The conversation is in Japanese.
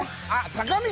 坂道